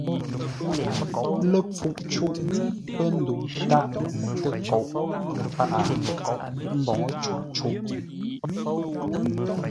Ləpfuʼ cûʼ pə́ ndəu tâʼ təkoʼ ləpâʼ, ə́ mboŋə́ cûʼ cûʼ.